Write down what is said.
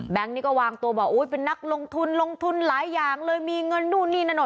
นี้ก็วางตัวบอกโอ้ยเป็นนักลงทุนลงทุนหลายอย่างเลยมีเงินนู่นนี่นั่น